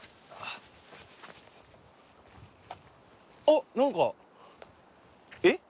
あっ何かえっ？